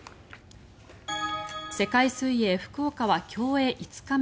世界水泳福岡は競泳５日目。